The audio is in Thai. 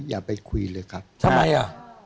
อย่าไปคุยเลยครับทำไมอ่ะ